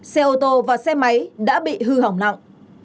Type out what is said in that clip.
xe ô tô và xe máy đã bị hư hỏng nặng